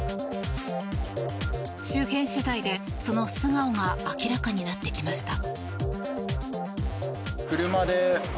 周辺取材で、その素顔が明らかになってきました。